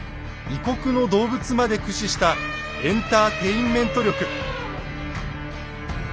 異国の動物まで駆使したエンターテインメント力。